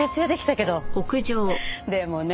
でもね